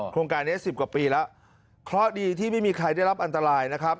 โครงการนี้สิบกว่าปีแล้วเคราะห์ดีที่ไม่มีใครได้รับอันตรายนะครับ